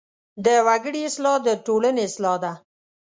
د وګړي اصلاح د ټولنې اصلاح ده.